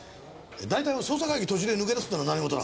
大体捜査会議途中で抜け出すってのは何事だ！